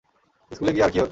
স্কুলে গিয়ে আর কি করবে?